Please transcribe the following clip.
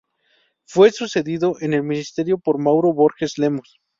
Fue sucedido en el Ministerio por Mauro Borges Lemos.